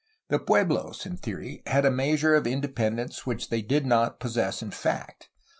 The puehlosj in theory, had a measm e of independence which they did not possess in fact.